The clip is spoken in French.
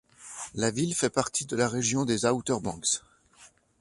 La ville fait partie de la région des Outer Banks.